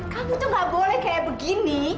kamu tuh gak boleh kayak begini